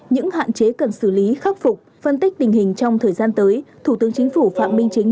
những hạn chế cần xử lý khắc phục phân tích tình hình trong thời gian tới thủ tướng chính phủ phạm minh chính